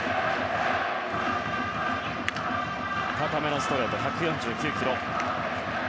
高めのストレート１４９キロ。